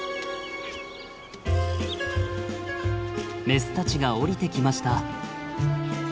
メスたちが下りてきました。